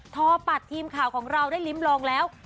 ทอปัตย์ทีมข่าวของเราได้ริมลงแล้ว